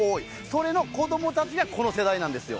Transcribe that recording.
それの子どもたちがこの世代なんですよ。